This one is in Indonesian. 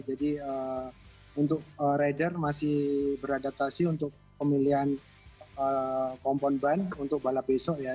jadi untuk rider masih beradaptasi untuk pemilihan kompon ban untuk balap besok ya